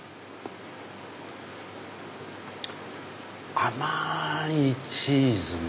甘いチーズの。